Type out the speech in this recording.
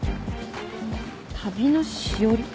「旅のしおり」？